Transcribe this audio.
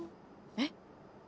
えっ？